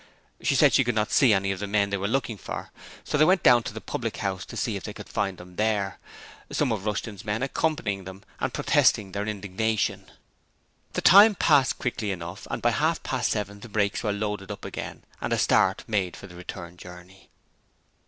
She said she could not see the men they were looking for, so they went down to the public house to see if they could find them there, some of the Rushton's men accompanying them and protesting their indignation. The time passed quickly enough and by half past seven the brakes were loaded up again and a start made for the return journey.